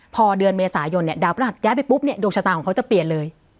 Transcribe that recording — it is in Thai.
พอเดือนเมษายนเนี่ยดาวพระหัสย้ายไปปุ๊บเนี่ยดวงชะตาของเขาจะเปลี่ยนเลย